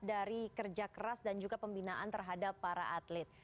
dari kerja keras dan juga pembinaan terhadap para atlet